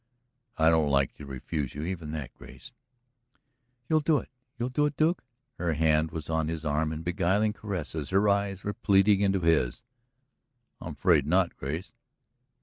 "I don't like to refuse you even that, Grace." "You'll do it, you'll do it, Duke?" Her hand was on his arm in beguiling caress, her eyes were pleading into his. "I'm afraid not, Grace."